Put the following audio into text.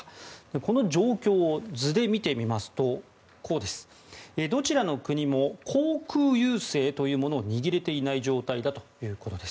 この状況を図で見てみますとどちらの国も航空優勢というものを握れていない状態だということです。